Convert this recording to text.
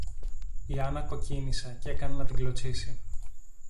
Η Άννα κοκκίνισε, κι έκανε να την κλωτσήσει